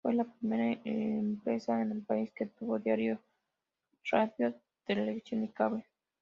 Fue la primera empresa en el país que tuvo diario, radio, televisión y cable.